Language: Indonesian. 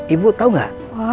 ibu tau gak